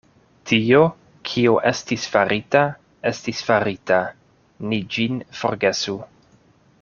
Tio, kio estis farita, estis farita; ni ĝin forgesu.